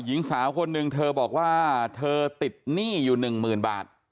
หญิงสาวคนหนึ่งเธอบอกว่าเธอติดหนี้อยู่หนึ่งหมื่นบาท